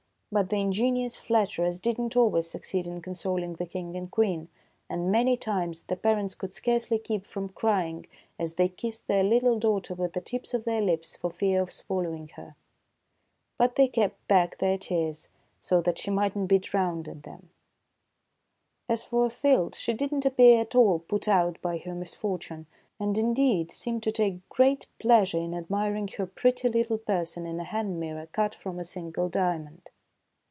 But the ingenious flatterers did not always succeed in consoling the King and Queen, and many times the parents could scarcely keep from crying as they kissed their little daughter with the tips of their lips for fear of swallowing her. But they kept back their tears, so that she might not be drowned in them. A WONDERFUL ATTRACTION 95 As for Othilde, she did not appear at all put out by her misfortune, and indeed seemed to take great pleasure in admir ing her pretty little person in a hand mirror cut from a single diamond.